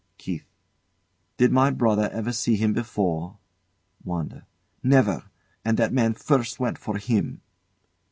KEITH. Did my brother ever see him before? WANDA. Never! And that man first went for him.